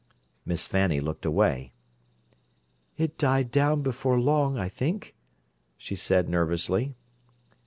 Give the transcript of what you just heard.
Miss Fanny looked away. "It died down before long, I think," she said nervously.